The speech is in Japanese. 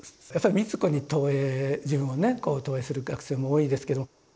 やっぱり美津子に投影自分をねこう投影する学生も多いですけど。